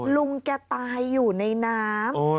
ลุงแกตายอยู่ในน้ำ